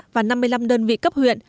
và năm mươi năm đơn vị cấp huyện